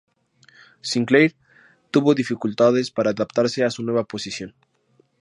Sinclair tuvo dificultades para adaptarse a su nueva posición.